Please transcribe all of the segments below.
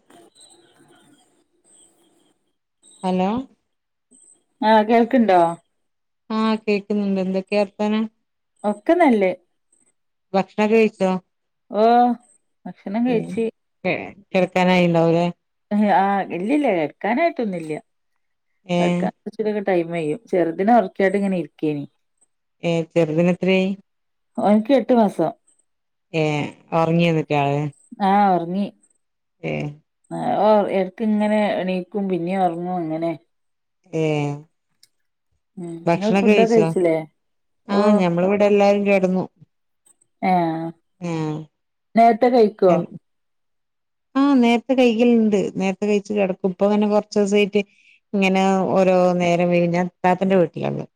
[inaudible] Hello ആഹ് കേൾക്ക്ണ്ടോ? ആഹ് കേക്കുന്നുണ്ട് എന്തൊക്കെ വർത്താനം ഒക്കെ നല്ലെ ഭക്ഷണൊക്കെ കഴിച്ചോ ഓഹ് ഭക്ഷണം കഴിച്ച് കെ കെടക്കാനായിണ്ടാവുലെ? ഏഹ് ആഹ് ഇല്ലില്ല കെട്ക്കാനായിട്ടൊന്നുല്ല്യ കെട്ക ഏഹ് കൊർച്ചുടിയൊക്കെ ടൈമയ്യും ചെർതിനെ ഒർക്കിയാട്ട്ങ്ങനെ ഇര്ക്കേനി ഏഹ് ചെറുത് ന് എത്രെയായി? ഓൻക്ക് എട്ട് മാസം ഏഹ് ഒറങ്ങിയൊന്നിട്ടാള്? ആഹ് ഒറങ്ങി ഏഹ് ആഹ് ഓ എട്ക്ക്ങ്ങ്നെ എണീക്കും പിന്നിം ഒറങ്ങും അങ്ങനെ ഏഹേ ഉം ഇങ്ങള് ഭക്ഷണൊക്കെ ഫുഡൊക്കെ കഴിച്ചോ കഴിച്ചില്ലേ ആഹ് ഓഹ് ഞമ്മള് വെടെല്ലാരും കെട്ന്നു ആഹ് നേര്ത്തെ കഴ് എ [unintelligible] ആഹ് നേര്ത്തെ കൈകല്ണ്ട് നേര്ത്തെ കഴിച്ച് കെടക്കും ഇപ്പൊങ്ങനെ കൊറ്ച്ചൂസായിട്ട് ഇങ്ങനെ ഓരോ നേരം വെയ്കും ഞാ ഇത്താത്തന്റെ വീട്ടിലാള്ളെത്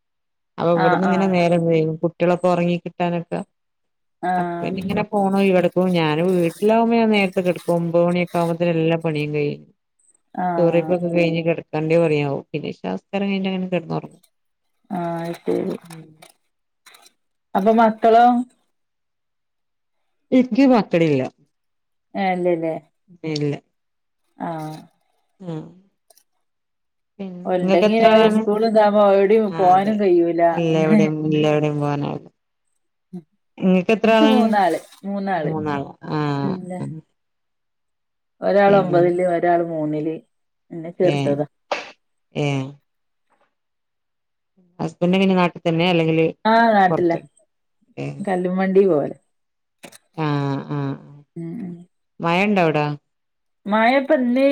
അപ്പൊ ആഹ് ഇവിടന്ന് ഇങ്ങനെ ആഹ് നേരം വൈകും കുട്ടികളൊക്കെ ഉറങ്ങി കിട്ടാനൊക്കെ അപ്പൊ ആഹ് ഇഞ്ഞിങ്ങനെ ഫോണാവിടെക്കും ഞാൻ വീട്ടിലാവുമ്പോ ഞാൻ നേരത്തെ കിടക്കും ഒമ്പത് മണിയൊക്കെ ആകുമ്പത്തേ എല്ലാ പണിയും കഴിയും ആഹ് ചോറയ്പ്പൊക്കെ കഴിഞ്ഞ് കിട കണ്ടേ പറയാമോ പിന്നെ ഇശാസ്കാരം കഴിഞ്ഞിട്ടങ്ങനെ കെടന്ന് ഒറങ്ങും ആഹ് അയ്ശരി അപ്പൊ മക്കളോ ന്ക്ക് മക്കളില്ല ഏഹ് ഇല്ലല്ലേ ഇല്ല ആഹ് ഉം ഓലിണ്ടങ്കി അവര് സ്കൂളന്താവുമ്പോ എവ്ടിം ആഹ് അതെ പോവാനും കഴിയൂല ഇല്ല അങ്ങനെ എവിടെയും ഇല്ല എവ്ടിം പോവാനാവൂല ഇങ്ങക്ക് എത്ര എനിക്ക് ആളാണ് മൂന്നാള് മൂന്നാള് മൂന്നാൾ ആഹ് ഒരാൾ പിന്നെ ഒമ്പതില് ഒരാള് മൂന്നില് പിന്നെ ഏഹ് ചെറുതതാ ഏഹ് ഹസ്ബന്റങ്ങനെ നാട്ടിതന്നെ അല്ലെങ്കിൽ ആഹ് നാട്ടില കല്ലുംവണ്ടി പോവല ആഹ് ആഹ് മഴണ്ടോ അവ്ടാ മഴപ്പ ഇന്ന്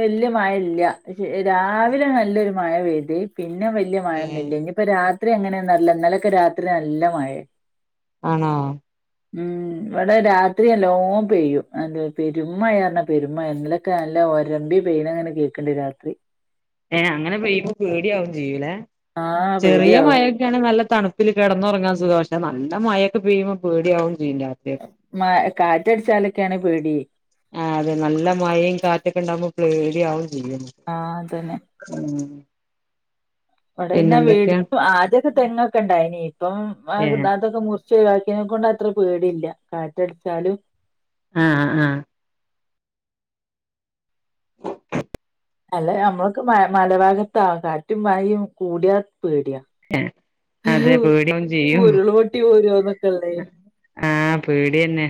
വല്യ മഴ ഇല്ല പക്ഷെ രാവിലെ നല്ലൊരു മഴ പെയ്തി പിന്നെ വല്യ ഏഹ് മഴയൊന്നുല്ല ഇനിയിപ്പോ രാത്രി എങ്ങനെയന്നറില്ല ഇന്നലൊക്കെ രാത്രി നല്ല മഴ ആണോ ഉം ഇവിടെ രാത്രി നല്ലോണം പെയ്യും ആണ്ട് പെരുംമഴയാണ് പെരുംമയ ഇന്നലക്കെ നല്ല ഒരമ്പി പെയ്യന അങ്ങനെ കേക്കണ്ട് രാത്രി ഏഹ് അങ്ങനെ പെയ്യുമ്പോ പേടിയാവും ചെയ്യുല്ലേ ആഹ് ചെറിയ പേടിയാവും മയ നിക്കണേ നല്ല തണുപ്പില് കെടന്നുറങ്ങാൻ സുഖാട്ടോ നല്ല മയൊക്കെ പെയ്യുമ്പോ പേടിയാവും ചെയ്യും രാത്രിയൊക്കെ മാ കാറ്റടിച്ചാലൊക്കെയാണ് പേടി ആഹ് അതെ നല്ല മയെം കാറ്റൊക്കെ ഉണ്ടാവകുമ്പോ പേടിയാവേം ചെയ്യുവല്ലോ ആഹ് അതന്നെ ഉം ഇവിടെന്നെ വീടു പിന്നെന്തൊക്കെയാ ആദ്യൊക്കെ തെങ്ങൊക്കെ ഉണ്ടായിനി ഇപ്പം അതൊ ഏഹ് അതൊക്കെ മുറിച് ച്ച് ഇതാക്കിനെ കൊണ്ട് അത്ര പേടില്ല കാറ്റടിച്ചാലും ആഹ് ആഹ് അല്ല നമ്മളക്ക മ മലഭാഗത്ത കാറ്റും മഴയും കൂടിയാ പേടിയാ ഏഹ് അതെ ആവു പേടിയാവും ചെയ്യും ഊരുൾള് പൊട്ടി പോരുവോന്നക്കല്ലേ ആഹ് പേടിയന്നെ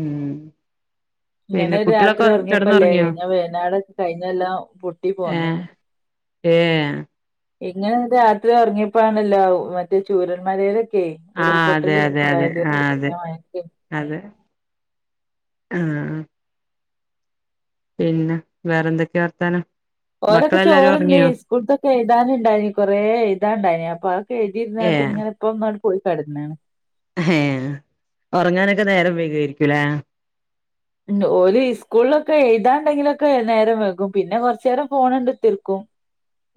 ഉം പിന്നെ ഇങ്ങനെ രാത്രി കുട്ടികളൊക്കെ ഉറങ്ങിയപ്പല്ലേ കിടന്നുറങ്ങിയോ കഴിഞ്ഞ വയ്നാട് കഴിഞ്ഞ കൊല്ലം പൊട്ടി പോന്നേ ഏഹ് ഏഹ് ഇങ്ങനെ രാത്രി ഉറങ്ങിയപ്പോണല്ല മറ്റേ ചൂരൽമലേല് ക്കെ ആഹ് അതെ ഉരുൾപൊട്ടല് അതെ അതെ ഉണ്ടായത് ആഹ് അതെ കയിഞ്ഞ മയക്കെ അതെ ആഹ് പിന്ന വേറെ എന്തൊക്കെയാ വർത്താനം ഓലൊക്കെ മക്കളെല്ലാരും ചോറ്ന്നി ഉറങ്ങിയോ സ്കൂൾത്തൊക്കെ എഴുതാനുണ്ടായിന് കുറേ എഴുതാനുണ്ടായിനി അപ്പൊ അതൊക്കെ എഴുതിയിരുന്നകാട്ടി ഏഹ് ഇങ്ങനെ ഇപ്പം അങ്ങട്ട് പോയി കെടന്നെണ് ഏഹ് ഉറങ്ങാനൊക്കെ നേരം വൈകുവാരിക്കൂലേ ണ്ട് ഓല് സ്കൂളിലൊക്കെ എഴുതാണ്ടെങ്കിലൊക്കെ നേരം വെക്കും പിന്നെ കൊറച്ച് നേരം ഫോണണ്ട് തീർക്കും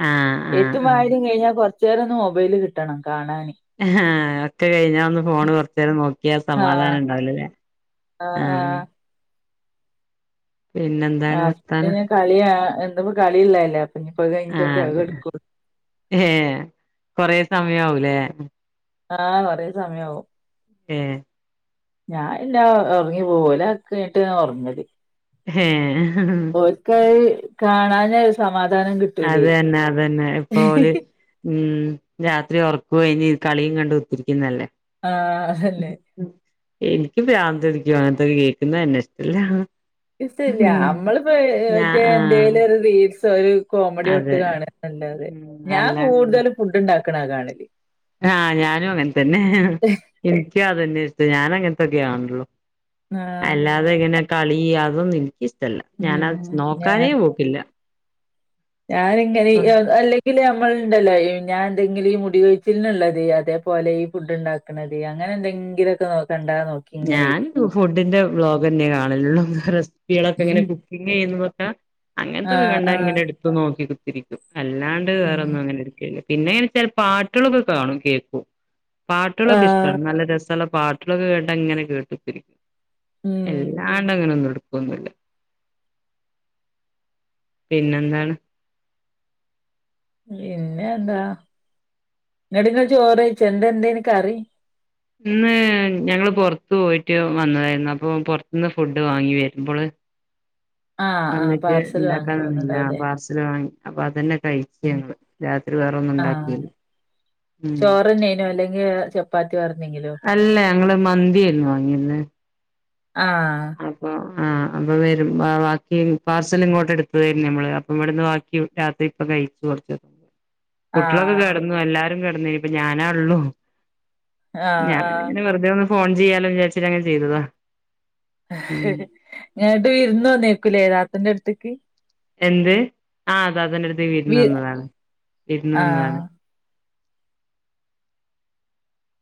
ആഹ് എഴ്ത്തും ആഹ് വായനേം കഴിഞ്ഞാ കൊറച്ചു നേരം ഒന്ന് മൊബൈല് കിട്ടണം കാണാന് ആഹ് അപ്പഴേ ഞാൻ ഒന്ന് ഫോണ് കുറച്ച് നേരം നോക്കിയാ ആഹ് സമാധാനം ഉണ്ടാവിലല്ലേ ആഹ് പിന്നെന്താണ് ആഹ് സ് വർത്താനം പിന്നെ കളിയാ എന്നും ഇപ്പോ കളിയുള്ളെല്ലേ അപ്പൊ ഇഞ്ഞിപ്പോ ആഹ് കഴിഞ്ഞിട്ടൊക്കെ അത് അതെ കെടുക്കുള്ളൂ ഏഹ് കൊറെ സമയാകൂലേ ആഹ് കൊറേ സമയാവും ഏഹ് ഞാൻ പിന്ന ഒറങ്ങി പോകും ഒലാകീട്ട് ഒറങ്ങല് ഏഹ് ഓൽക്ക് അയ്ല് കാണാന ഇഷ്ട സമാധാനം കിട് അതന്നെ അതന്നെ ഇപ്പോ ഓല് ഉം രാത്രി ഒയ്ഞ്ഞ് കളീം കണ്ട് കുത്തിരിക്കുന്നല്ലേ ആഹ് അല്ലെ ഉം ഇനിക്ക് പ്രാന്ത്‌പിടിക്കും അങ്ങനത്തെക്ക കേക്കുന്നന്നെ ഇഷ്ടല്ല ഇസ്തയില്യ നമ്മളിപ്പോ ഞാ മറ്റേ ആഹ് എന്തേലും ഒരു റീൽസോ ഒരു കോമഡി തൊട്ട് അതെ കാണ്‌കാന്നല്ലാതെ ഉം ഞാൻ അല്ലാണ്ട് കൂടുതലും ഫുഡ് ഉണ്ടാക്കണ കാണല് ആഹ് ഞാനും അങ്ങനെ തന്നെ എനിക്കും അതന്നെ ഇഷ്ടം ഞാനും അങ്ങനത്തൊക്കെ കാണുള്ളൂ ആഹ്. അല്ലാതെ ഇങ്ങനെ കളി അതൊന്ന എനിക്ക് ഇഷ് ടല്ല ഞാനത് ഉം. നോക്കാനേ പോക്കില്ല ഞാന് ഇങ്ങനെ ഈ ഓ അല്ലെ ഇല്ലേ നമ്മളുണ്ടല്ലോ ഞാൻ എന്തെങ്കിലുംഈ മുടി കൊഴിച്ചിലിന്നുള്ളത് അതേപോലെ ഈ ഫുഡ് ഉണ്ടാക് ക്കണത് അങ്ങനെന്തെങ്കിലൊക്കെ നോക്കണ്ട നോക്ക് ഞാൻ ഫുഡിന്റെ ബ്ലോഗന്നെ കാണലുള്ളൂ റെസിപ്പികളൊക്കെ ഇങ്ങനെ കുപ് പിന്നെ എന്ന് തൊട്ടാ അങ്ങനത്തൊക്കെ ആഹ് കണ്ടാ ആഹ്. ഇങ്ങനെ എടുത്തു നോക്കി കുത്തിരിക്കും അല്ലാണ്ട് ഉം. വേറൊന്നും അങ്ങനെട്ക്കലില്ല. പിന്നെങ്ങനെച്ച പാട്ടുകളൊക്കെ കാണും കേൾക്കും. പാട്ടുകളൊക്കെ ഇഷ്ട ആഹ്. നല്ല രസല്ല പാട്ടുകളൊക്കെ കേട്ടാങ്ങനെ കേട്ടുത്തിരിക്കും. ഉം. എല്ലാണ്ടങ്ങനൊന്നും എട് ന്നുല്ല പിന്നെന്താണ്? പിന്നെന്താ ന്നിട്ടിന്നെ ചോറയ്ച്ചോ എന്ത എന്തയ്ന് കറി ഇന്ന് ഞങ്ങള് പൊറ്ത്ത് പോയിട്ട് വന്നതായിരുന്നു അപ്പൊ പൊറ്ത്തുന്ന് ഫുഡ് വാങ്ങി വരുമ്പള്. [inaudible] ആഹ് വന്നിട്ട് പാർസല് വാങ്ങി ഇണ്ടാക്കാനെന്നില്ല പോന്നുണ്ടാവുല്ലേ. പാസ് ല് വാങ്ങി അപ്പൊ അതന്നെ ഉം. കഴിച്ചുങ്ങള് രാത്രി വേറൊന്നും ഉണ്ടാക്കീല്ല. ഉഹ് തുന്നൈനോലെ അ് ചപ്പാത്തി വേറെന്തെങ്കിലോ? അല്ല ഞങ്ങൾ മന്തിായയ്രുന്നു വാങ്ങിരുന്നേ. ആഹ് അപ്പൊ ആ അപ്പം വരും ബാക്കി പാർസൽ ഇങ്ങോട്ടെടുത്തതായിരുന്നു നമ്മള് അപ്പം ഇവിടുന്ന് ബാക്കി രാത്രി പ്പ കഴിക്കോർക്ക് [inaudible] കുട്ടികളൊക്കെ ആഹ് ശരി കെട്ന്നു, എല്ലാരും കെട്ന്നു നിപ്പൊ ഞാനാ ഉള്ളു. ആഹ് ഞാൻ ആഹ് പിന്നങ്ങനെ വെറുതെ ഒന്ന് ഫോൺ ചെയ്യാലോ വിചാരിച്ചിട്ടങ്ങനെ ചെയ്തതാ. ഉം ഇങ്ങട്ട് വിരുന്ന് വന്നേക്കൂലേ താത്തൻ്റടുത്ത്ക്ക്? എന്ത്? ആ താത്തന്റെ അടുത്ത്ക്ക് വിരുന്ന് വി വന്നതാണ് വിരുന്ന് വന്നതാണ്. ആഹ്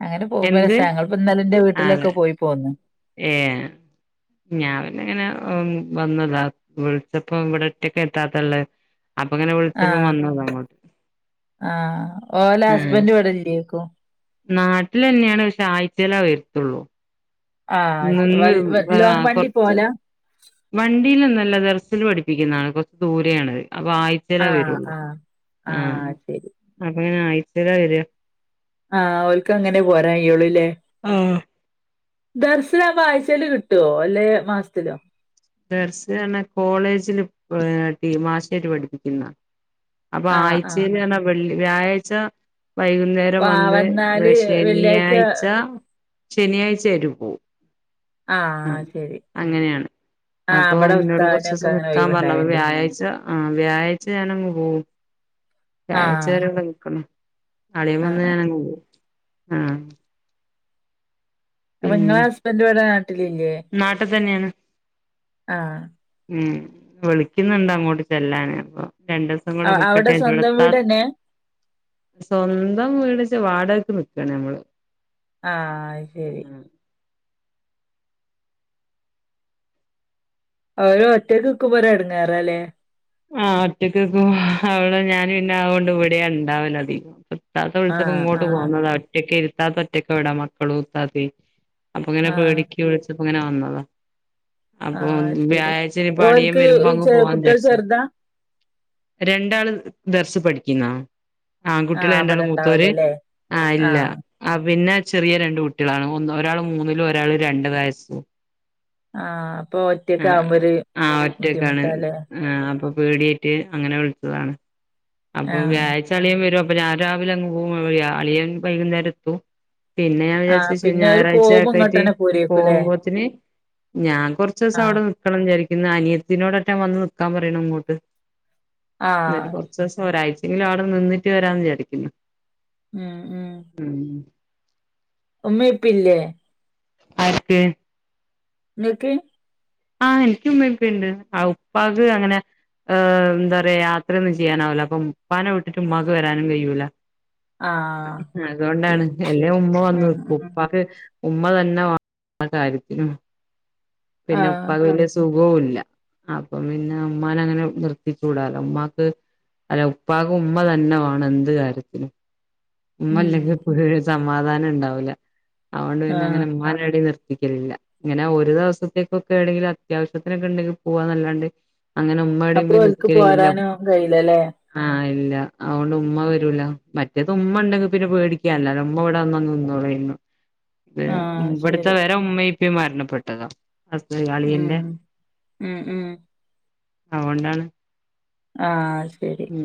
അങ്ങനെ പോവുമ്പോ എന്ത് രസാ ഞങ്ങൾ ഇപൊന്നലെ ഇന്റെ വീട്ടിലൊക്കെ പോയി പോന്നു. ഏഹ് ഞാപിന്നങ്ങനെ വന്നു താ വിൾച്ചപ്പം ഇവിടെ ഒറ്റക്കേറ്റാതള്ള് അപ്പൊങ്ങനെ വിളിച്ചപ്പോ ആഹ് വന്നതാമ്മ. ഇവടില്ലേക്കും നാട്ടിലെന്നെയാണ് പശെ ആഴ്ച്ചേല വരത്തുള്ളൂ. ആഹ് ശ നിന്ന് വൽ വ ലോങ് വണ്ടി കൊർച്ച് പോവലാ വണ്ടീലൊന്നല്ല ദെർസിൽ പഠിപ്പിക്കുന്നാണ്. കൊറ്ച്ച് ദൂരേണ് അപ്പൊ ആഴ് ലാ ആഹ് വരുള്ളൂ ആഹ് ആഹ് അപ്പക്കങ്ങനെ ആഴ്ചയില വര? ആഹ് ഓല്ക്കങ്ങനെ പോരാ കയ്യൊള്ളു ല്ലെ. [unintelligible] ആവുമ്പോ ആഴ്ച്ചേല് കിട്ടോ അല്ലെ മാസത്തിലോ? ദർസിലാർഞ്ഞ കോളേജില് ഏ ടീ [unintelligible] പഠിപ്പിക്കുന്ന അപ്പ ആഹ് ആഹ് ആഴ്ചയിലാണോ വെള് വ്യാഴാഴ്ച വൈകുന്നേരം ആഹ് വന്ന് വെ വന്നാല് വെള്ളിയാഴ്ച ശനിയാഴ്ച ശനിയാഴ്ച അവര് പോവും. ആഹ് അങ്ങനെയാണ്. ആഹ് അപ്പോ ഇബടെ എന്നോട് ഉസ്താദിനൊക്കെ കൊറച്ചൂസം അങ്ങനെ നിക്കാൻ പറഞ്ഞ് അപ്പ ഒഴിവുണ്ടാവേണ്ട് വ്യാഴാഴ്ച ആഹ് വ്യാഴയ്ച ഞാനങ്ങ് പോവും. വ്യാഴായ്ച ആഹ് വരെ ഇവ്ടെ നിക്ക്ണം അളിയൻ ആഹ് വന്നാ ആഹ് ഞാനങ്ങ് പോവും, ആഹ്. അപ്പോ ഇങ്ങളെ ഹസ്ബൻ്റിവിടെ നാട്ടിലില്ലേ? നാട്ട് തന്നെയാണ്. ആഹ് മ് വിളിക്കുന്നുണ്ടങ്ങോട്ട് ചെല്ലാന് അപ്പോ രണ്ട്സ് സം കൂടെ അവിടെ നിക്കട്ടെ സ്വന്തം [unintelligible] വീടെന്നെ സ്വന്തം വീടൊച്ച് വാടകയ്ക്ക് നിക്കാണ് ഞമ്മള്. ആഹ് അയ്ശരി. അവര് ഒറ്റക്ക് നിക്കുമ്പോ ഒരെടെങ്ങാറാല്ലേ? ആഹ് ഒറ്റക്ക് നിക്കുമ്പോ അവ്ടെ ഞാൻ പിന്നാവോണ്ട് ഇവിടെയാ ഇണ്ടാവലധികം. താത്ത വിളിച്ചപ്പോ ആഹ് ഇങ്ങോട്ട് ആഹ് പോന്നതാ, ഒറ്റക്കിരു താത്ത ഒറ്റൊക്കവിടെ മക്കളും താത്തേം. അപ്പങ്ങനെ ആഹ് പേടിക്ക് വിളിച്ചപ്പോങ്ങനെ വന്നത. അപ്പോ ആഹ് അത് ശരി വ്യാഴാഴ്ച ഇനിപ്പ അളിയൻ ഓൽക്ക് വരുമ്പോ അങ്ങ് ചെ പോവാന്ന് കുട്ടികൾ വിചാരിച്ച്. ചെറുതാ രണ്ടാള് ദർശി പഠിക്ക്ന്നാ. ആൺകുട്ടികള് ആഹ് ഇവിടെ രണ്ടാളും മൂത്തോര്, ഇണ്ടാവൂലല്ലേ ആഹ് ഇല്ല. ആഹ് പിന്നെ ചെറിയ രണ്ട് കുട്ടികളാണ്, ഒന്ന്‌ ഒരാള് മൂന്നിലും ഒരാള് രണ്ട് വയസും. ആഹ് അപ്പോ ഒറ്റക്കാമ്പോ ഒര് ആഹ് ഒറ്റക്കാണ് ബുദ്ധിമുട്ടാല്ലേ. ആഹ് അപ്പ പേടിയായിട്ട് അങ്ങനെ വിളിച്ചതാണ്. അപ്പം ആഹ് വ്യാഴാഴ്ച അളിയൻ വെരും, അപ്പ ഞാൻ രാവിലെ അങ്ങ് പോവും, അളിയൻ വൈകുന്നേരത്തും. പിന്നെ ഞാൻ ആഹ് വിചാരിച്ച് ശനി പിന്നെ ഓര് ഞായറാഴ്ച പോകുമ്പോ ഇങ്ങോട്ടന്നെ [unintelligible] പോരേക്കുല്ലേ പോമ്പത്തിന് ഞാൻ ആഹ് കൊറച്ചുസവിടെ നി ക്കണം വിചാരിക്കുന്നു, അനിയത്തിനോടറ്റാ വന്ന് നിക്കാൻ പറയണം അങ്ങോട്ട്, എന്നിട്ട് ആഹ് പൊർ ച്ചൂസം ഒരാഴ്ചെങ്കിലും അവിടെ നിന്നിട്ട് വരാന്ന് വിചാരിക്കുന്നു. മ് മ് മ് ഉമ്മേ ഇപ്പേല്ലേ? ആർക്ക്‌? നിങ്ങക്ക്‌. ആഹ് എനിക്ക് ഉമ്മേ ഉപ്പേണ്ട് ആഹ് ഉപ്പാക്ക് അങ്ങനെ ഏഹ് എന്താ പറയാ യാത്രയൊന്നും ചെയ്യാനാവില്ല, അപ്പം ഉപ്പാനെ വിട്ടിട്ട് ഉമ്മാക്ക് വെരാനും കഴിയൂല. ആഹ് ശരി അതുകൊണ്ടാണ് ഇല്ലേ ഉമ്മ വന്ന് ഉം ‌നിക്കും ഉം ഉപ്പാക്ക് ഉമ്മ തന്നെ വാ കാര്യത്തിനും പിന്നെ ആഹ് ഉപ്പാക്ക് വെല്യ സു സുഖോല്ല, അപ്പം പിന്നെ ഉമ്മാനങ്ങനെ നിർത്തിക്കൂടാല്ലോ ഉമ്മാക്ക് അല്ല ഉപ്പാക്ക് ഉമ്മ തന്നെ വാണം എന്ത് കാര്യത്തിനും. ഉമ്മ ഉം ഇല്ലങ്കി എപ്പോഴൊരു സമാധാനണ്ടാവുല്ല, അതുകൊണ്ട് പിന്നെ ആഹ് അങ്ങനെ ഉമ്മാനെടിയെ നിർത്തിക്കലില്ല. ഇങ്ങനെ ഒരു ദിവസത്തേക്കൊക്കെ എവിടെങ്കിലും അത്യാവിശ്യത്തിനൊക്കെ ഇണ്ടെങ്കിൽ പോവാന്നല്ലാണ്ട് അങ്ങനെ ഉ [unintelligible] പോരാനും കഴിയില്ലല്ലേ? ആഹ് ഇല്ല അതുകൊണ്ട് ഉമ്മ വരൂല മറ്റേ ഉമ്മണ്ടെങ്കി പിന്നെ പേടിക്കാനില്ല, ഉമ്മ ഇവിടെ വന്ന് നിന്നോളുവായിരുന്നു, ആഹ് ഇവ്ട്ത്തെ ശരി വേ ന്റെ ഉമ്മേം ഇപ്പേം മരണപ്പെട്ടത, ഹസ്ബ ഉം അളിയന്റെ ഉം ഉം അത് കൊണ്ടാണ്. ആഹ് അയ്ശെരി. മ്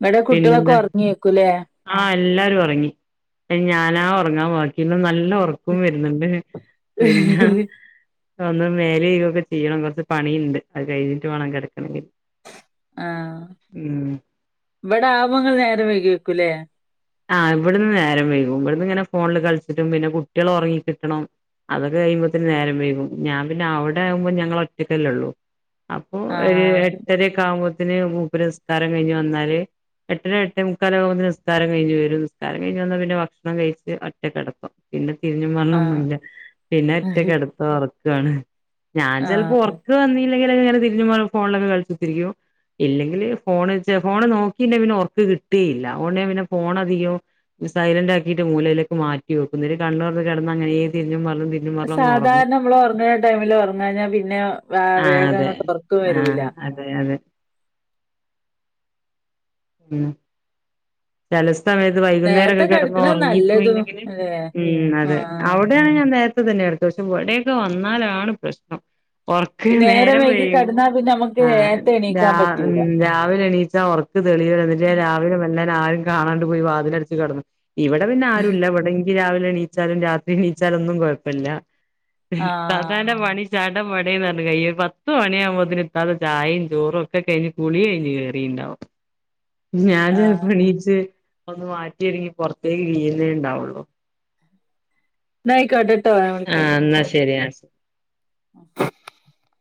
ഇവടെ കുട്ടികൾക്കൊറങ്ങിയെക്കൂലേ? ആഹ് എല്ലാരു ഒറങ്ങി ഇനി ഞാനാ ഒറങ്ങാൻ ബാക്കിന്ന്‌ നല്ല ഒറ ക്കും വെരുന്നുണ്ട് പിന്ന ഒന്ന് മേലഴുകൊക്കെ ചെയ്യണം കൊറച്ച് പണിയിണ്ട് അത് കഴിഞ്ഞിട്ട് വേണം കെടക്കണങ്കിൽ. ആഹ് ഇവിടാമ്പങ്ങൾ നേരം വൈകി ഏക്കൂല്ലേ? ആഹ് ഇവിടന്ന് നേരം വൈകും ഇവിടന്നിങ്ങനെ ഫോണില് കളിച്ചിട്ടും പിന്നെ കുട്ടികളൊറങ്ങി കിട്ടണം. അതൊക്കെ കഴിയ്മ്പത്തേനും നേരം വൈകും ഞാൻ പിന്നെ അവിടെ ആകുമ്പ ഞങ്ങളറ്റക്കല്ലേള്ളു. അപ്പൊ ഒര് ആഹ് അത് എട്ടര ക്കാവുമ്പതെന് മൂപ്പര് സ്കാരം കഴിഞ്ഞ് വന്നാല് എട്ടര എട്ടേമുക്കാലാവുമ്പ സ്കാര വേണ്ടി വരും നിസ്കാരം കഴിഞ്ഞ് വന്നാ പിന്നെ ഭക്ഷണം കഴിച്ച് ഒറ്റക്കെടപ്പം. പിന്നെ തിരിഞ്ഞും മറിഞ്ഞൊന്നുല്ല പിന്നെ ആഹ് റ്റക്കെടത്തൊറക്കോവാണ്. ഞാൻ ചെൽപ്പോ ആഹ് ഒറക്ക് വന്നില്ലെങ്കിലെങ്ങാനും തിരിഞ്ഞും മ ഫോണിലൊക്കെ കളിക്കുത്തിരിക്കും. ഇല്ലെങ്കില് ഫോണ് ഫോണ് നോക്കില്ലേ പിന്നെ ഒർക്ക് കിട്ടിയില്ല ഓണ്ട് ഞാൻ പിന്നെ ഫോണധികോ ഇത് സൈലന്റാക്കിട്ട് മൂലേലേക്ക് മാറ്റി വെക്കുന്ന കണ്ണൂർന്ന് കെടന്ന അങ്ങനേ തിരിഞ്ഞും മറിഞ്ഞും തിരി സാധാരണ മ്മളൊറങ്ങണ ടൈമില് ഒറങ്ങാഞ്ഞാ പിന്നെ വേഗങ്ങോട്ട് ഒറക്കവരൂല. അതെയതെ ഉം ചെലസ്തമേത്ത് വൈകുന്നേരൊക്കെ നേരത്തെ കെടക്കണ നല്ലതും കെടന്നൊറങ്ങിപ്പോയിണ്ടെങ്കില് അല്ലെ ഉം അതെ ആഹ് അവടെയാണങ്കി ഞാൻ നേരത്തെതന്നെ കെട ടുത്ത വർഷം ഇവടെയക്കെ വന്നാലാണ് പ്രശ്നം. ഉറക്ക് ഈ നേരം വൈകി വെയ്കും കടന്നാ പിന്നെ നമുക്ക് ആ നേരത്തെ എണീക്കാൻ പറ്റൂല. രാവി രാവിലെ എണീറ്റ ഒറ ത് തെളിയാൻ എന്നിട്ട ഉം രാവിലെ മേല്ലന്നെ ആരും കാണാണ്ട് പോയി വാതില അടച്ച് കിടന്നു ഇവിടെ പിന്നെ ആരും ഇല്ല ഇവിടെ രാവിലെ എണീച്ചാലും രാത്രി എണീച്ചാലോന്നും കുഴപ്പില്ല ആഹ് താത്താന്റെ പണി ചടംപടെന്ന് പറഞ്ഞു കഴിയും പത്ത് മണിയാകുമ്പോത്തിനും ഇത്താതെ ചായയും ചോറും ഒക്കെ കഴിഞ്ഞു കുളി കഴിഞ്ഞ് കെറിണ്ടാവും ഞാൻ ആഹ് ചെൽപോ ഒന്ന് മാറ്റിരിങ്ങി പുറത്തേക്ക് കീയുന്നെ ഉണ്ടാവുള്ളു ന്നായിക്കോട്ടെ ആഹ് എന്നാ ശരിയാ [inaudible]